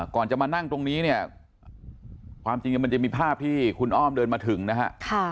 ก่อนจะมานั่งตรงนี้เนี่ยความจริงมันจะมีภาพที่คุณอ้อมเดินมาถึงนะฮะ